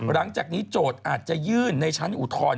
หลังจากนี้โจทย์อาจจะยื่นในชั้นอุทธรณ์